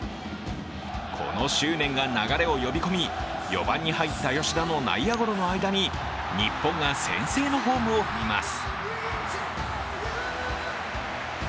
この執念が流れを呼び込み４番に入った吉田の内野ゴロの間に日本が先制のホームを踏みます。